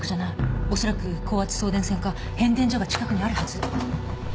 おそらく高圧送電線か変電所が近くにあるはず。